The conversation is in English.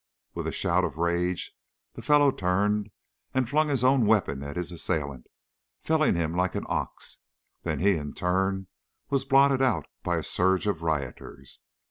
With a shout of rage the fellow turned and flung his own weapon at his assailant, felling him like an ox, then he in turn was blotted out by a surge of rioters.